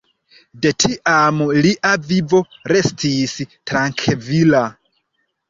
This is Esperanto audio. De tiam lia vivo restis trankvila.